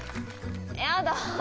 やだ。